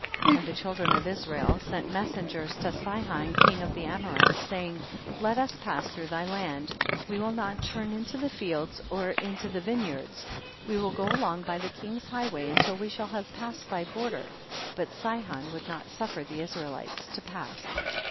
13. And the children of Israel sent messengers to Sihon, king of the Amorites, saying, 14. Let us pass through thy land, we will not turn into the fields or in to the vineyards, we will go along by the king's highway until we shall have passed thy border, but Sihon would not suffer the Israelites to pass.